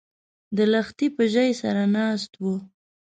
د لښتي په ژۍ سره ناست و